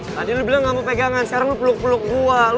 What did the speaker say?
tadi lo bilang gak mau pegangan sekarang lo peluk peluk gue